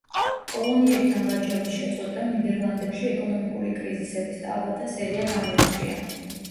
კოლონიებთან ვაჭრობის შეწყვეტამ ნიდერლანდებში ეკონომიკური კრიზისების ტალღათა სერია გამოწვია.